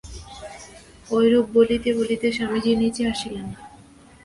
ঐরূপ বলিতে বলিতে স্বামীজী নীচে আসিলেন।